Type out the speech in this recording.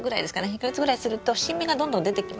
１か月ぐらいすると新芽がどんどん出てきます。